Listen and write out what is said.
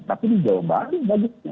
tapi di jawa baru banyaknya